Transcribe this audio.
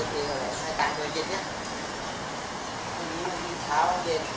สวัสดีครับ